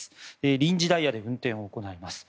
臨時ダイヤで運転を行います。